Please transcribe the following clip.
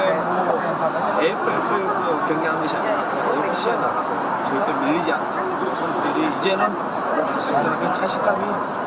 itu yang membuat dukungan bagi para staff pelatih dan bagi pemain